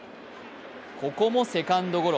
ここもセカンドゴロ。